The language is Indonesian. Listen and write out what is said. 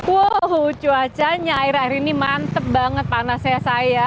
uu cuacanya air air ini mantep banget panasnya saya